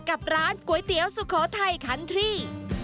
กับร้านก๋วยเตี๋ยวสุโขทัยคันทรี่